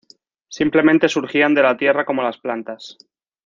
Simplemente, surgían de la tierra como las plantas.